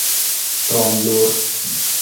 Roon loor.